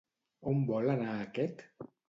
On vol anar aquest?